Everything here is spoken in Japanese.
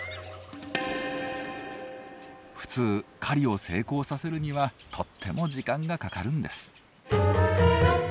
普通狩りを成功させるにはとっても時間がかかるんです。